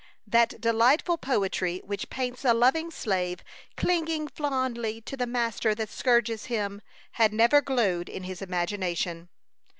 That delightful poetry which paints a loving slave clinging fondly to the master that scourges him had never glowed in his imagination.